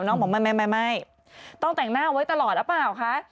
น้องบอกไม่ต้องแต่งหน้าไว้ตลอดหรือเปล่าคะ